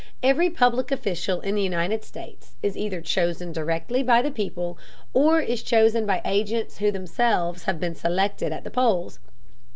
Every public official in the United States is either chosen directly by the people, or is chosen by agents who themselves have been selected at the polls.